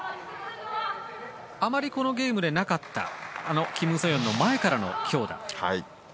あまりこのゲームでなかったキム・ソヨンの前からの強打。